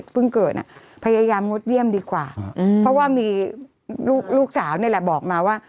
เพราะว่ามีลูกสาวนี่แหละบอกมาว่า